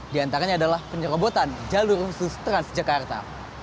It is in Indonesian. di antaranya adalah penyerobotan jalur khusus transjakarta